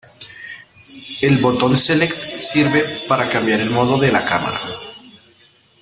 El botón Select sirve para cambiar el modo de la cámara.